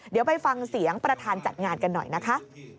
เดี๋ยวไปฟังเสียงประธานจัดงานกันหน่อยนะคะ